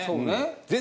全然。